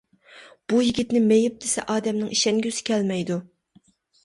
بۇ يىگىتنى مېيىپ دېسە ئادەمنىڭ ئىشەنگۈسى كەلمەيدۇ.